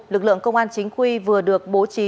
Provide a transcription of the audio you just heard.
lực lượng công an chính quy vừa được bố trí